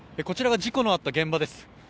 こちらが事故のあった現場です。